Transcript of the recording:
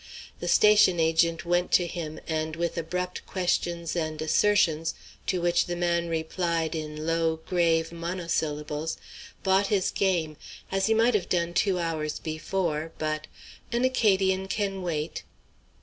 The station agent went to him, and with abrupt questions and assertions, to which the man replied in low, grave monosyllables, bought his game, as he might have done two hours before, but an Acadian can wait.